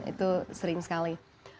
itu sering sekali